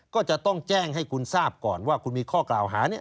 ก็จะต้องแจ้งให้คุณทราบก่อนว่าคุณมีข้อกล่าวหาเนี่ย